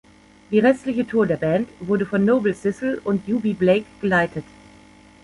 Die restliche Tour der Band wurde von Noble Sissle und Eubie Blake geleitet.